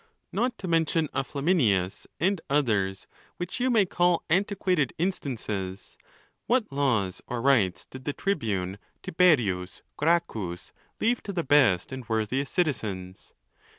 Not to mention a Flaminius and others; which you may call antiquated instances, what laws or rights did the tribune Tiberius Gracchus leave to the best and worthiest citizens